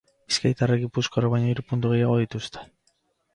Bizkaitarrek gipuzkoarrek baino hiru puntu gehiago dituzte.